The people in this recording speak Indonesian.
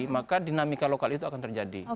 maka dinamika lokal itu akan terjadi